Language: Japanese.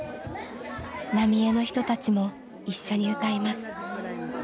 浪江の人たちも一緒に歌います。